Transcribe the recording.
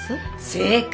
正解！